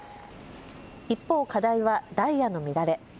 一方、課題はダイヤの乱れ。